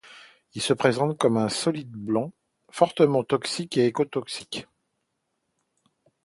Il se présente comme un solide blanc, fortement toxique et écotoxique.